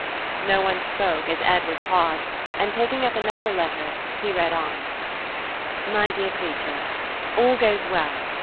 No one spoke as Edward paused, and taking up another letter, he read on: "My Dear Creature: "All goes well.